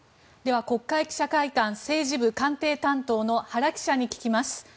国会記者会館政治部官邸担当の原記者に聞きます。